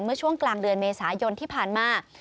เมื่อช่วงกลางเดือนเมษายนที่ผ่านมา